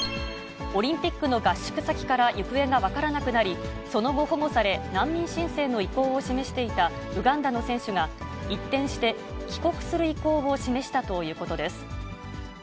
オリンピックの合宿先から行方が分からなくなり、その後、保護され、難民申請の意向を示していたウガンダの選手が、一転して帰国する意向を示したということです。